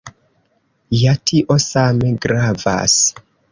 Ja tio same gravas.